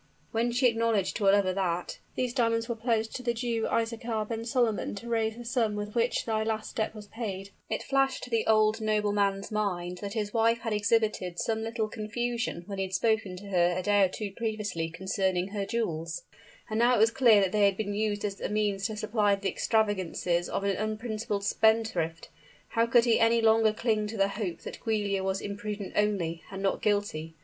When she acknowledged to her lover that "these diamonds were pledged to the Jew Isaachar ben Solomon, to raise the sum with which his last debt was paid," it flashed to the old nobleman's mind that his wife had exhibited some little confusion when he had spoken to her a day or two previously concerning her jewels: and now it was clear that they had been used as the means to supply the extravagances of an unprincipled spendthrift. How could he any longer cling to the hope that Giulia was imprudent only, and not guilty?